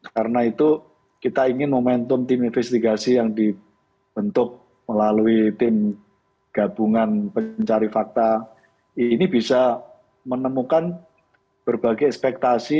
karena itu kita ingin momentum tim investigasi yang dibentuk melalui tim gabungan pencari fakta ini bisa menemukan berbagai ekspektasi